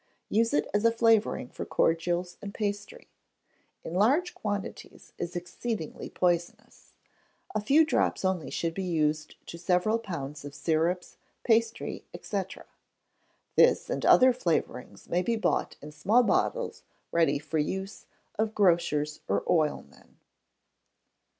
Use it as flavouring for cordials and pastry. In large quantities is exceedingly poisonous. A few drops only should be used to several pounds of syrups, pastry, &c. This and other flavourings may be bought in small bottles, ready for use, of grocers or oilmen.